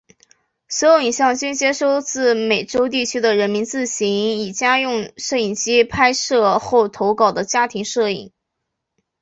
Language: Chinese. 所有影像均接收自美洲地区的人民自行以家用摄影机拍摄后投稿的家庭影像。